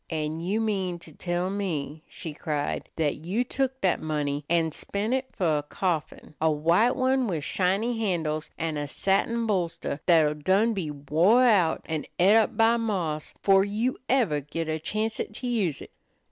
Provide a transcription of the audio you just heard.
"An' you mean to tell me," she cried, "that you took that money an' spent it for a coffin, a white one with shiny handles, an' a satin bolster that'll done be wore out, an' et up by moths, 'fore you ever git a chancet to use it?"